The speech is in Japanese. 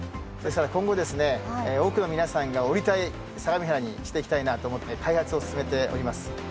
今後多くの皆さんが降りたい相模原にしていきたいなと思って開発を進めております